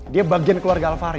dia bagian keluarga alfahri